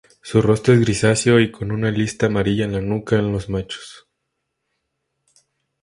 Su rostro es grisáceo y con una lista amarilla en la nuca los machos.